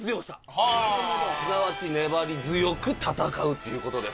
すなわち粘り強く戦うっていう事です。